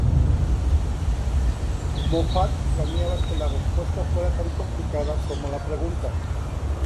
Moffat planeaba que la "respuesta fuera tan complicada como la pregunta".